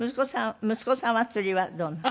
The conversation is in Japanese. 息子さんは釣りはどうなの？